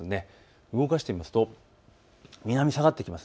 動かしてみますと南に下がってきます。